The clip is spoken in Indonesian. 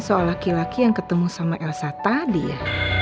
soal laki laki yang ketemu sama elsa tadi ya